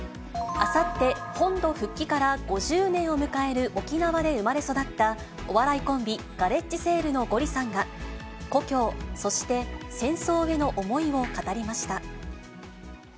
あさって、本土復帰から５０年を迎える沖縄で生まれ育ったお笑いコンビ、ガレッジセールのゴリさんが、故郷、そして戦争への思いを語りました。